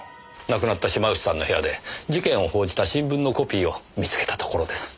亡くなった島内さんの部屋で事件を報じた新聞のコピーを見つけたところです。